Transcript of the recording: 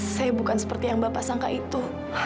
saya bukan seperti yang bapak sangka itu